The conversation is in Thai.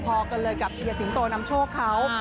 พอกันเลยกับเฮียสิงโตนำโชคเขา